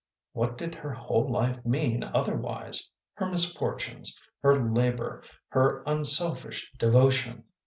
What did her whole life mean otherwise : her misfortunes, her labor. , her unselfish devotion?